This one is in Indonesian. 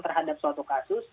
terhadap suatu kasus